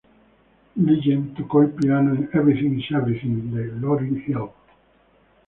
Legend tocó el piano en "Everything Is Everything" de Lauryn Hill.